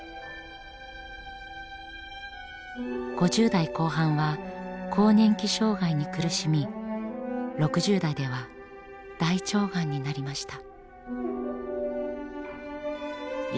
５０代後半は更年期障害に苦しみ６０代では大腸がんになりました。